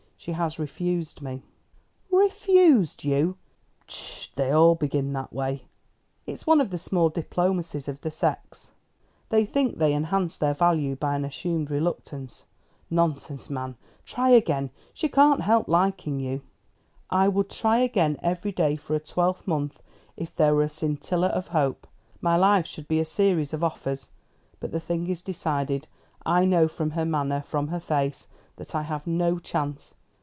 She has refused me." "Refused you! Pshaw, they all begin that way. It's one of the small diplomacies of the sex. They think they enhance their value by an assumed reluctance. Nonsense, man, try again. She can't help liking you." "I would try again, every day for a twelvemonth, if there were a scintilla of hope. My life should be a series of offers. But the thing is decided. I know from her manner, from her face, that I have no chance.